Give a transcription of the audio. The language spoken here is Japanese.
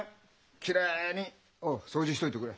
きれいにおう掃除しといてくれ。